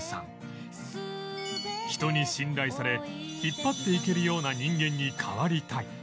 人に信頼され引っ張っていけるような人間に変わりたい